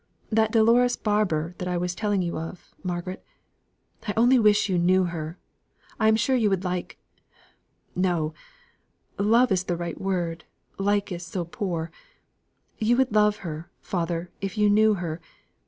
"That Dolores Barbour that I was telling you of, Margaret I only wish you knew her; I am sure you would like no, love is the right word, like is so poor you would love her, father, if you knew her.